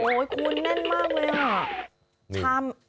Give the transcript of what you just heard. โอ้ยคุณแน่นมากเลยอ่ะ